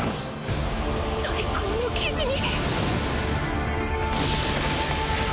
最高の記事に。